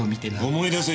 思い出せ！